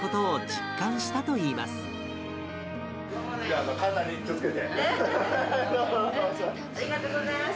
ありがとうございます。